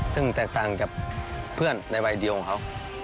ซึ่งแตกต่างกับเพื่อนในวัยเดียวของเขา